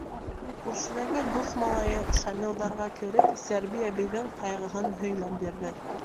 Күршеләге дуҫ малайы Шамилдарға кереп, Сәрби әбейҙең ҡайғыһын һөйләп бирҙе.